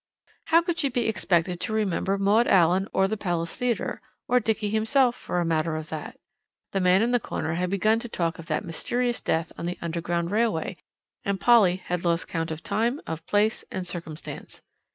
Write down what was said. How could she be expected to remember Maud Allan or the Palace Theatre, or Dickie himself for a matter of that? The man in the corner had begun to talk of that mysterious death on the underground railway, and Polly had lost count of time, of place, and circumstance.